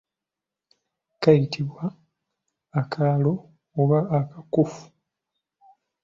Kayitibwa akaalo oba akakufu.